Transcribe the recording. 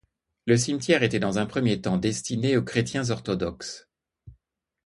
Le cimetière était dans un premier temps destiné aux chrétiens orthodoxes.